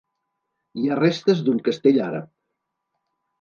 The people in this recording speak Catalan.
Hi ha restes d'un castell àrab.